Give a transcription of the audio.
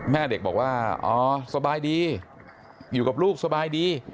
แม่เด็กบอกว่าอ๋อสบายดีอยู่กับลูกสบายดี